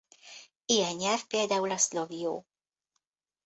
Ilyen nyelv például a slovio.